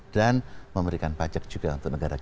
dan memberikan pajak juga untuk negara kita